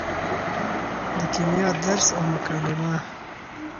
د کیمیا درس او مکالمه